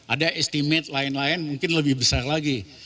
ada estimate lain lain mungkin lebih besar lagi